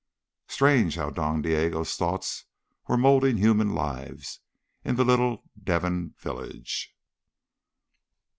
Strange how Don Diego's thoughts were moulding human lives in the little Devon village.